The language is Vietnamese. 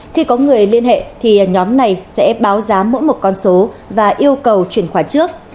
khi có người liên hệ thì nhóm này sẽ báo giá mỗi một con số và yêu cầu chuyển khoản trước